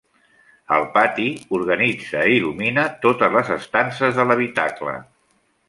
El pati organitza i il·lumina totes les estances de l'habitacle.